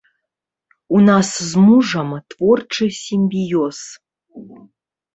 У нас з мужам творчы сімбіёз.